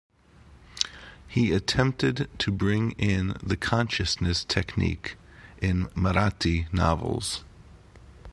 He attempted to bring in the consciousness technique in Marathi novels.